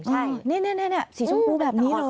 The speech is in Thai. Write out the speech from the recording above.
ใช่นี่สีชมพูแบบนี้